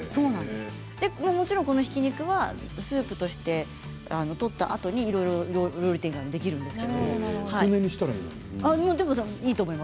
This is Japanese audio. もちろんこのひき肉はスープを取ったあといろいろと料理展開ができるんですよ。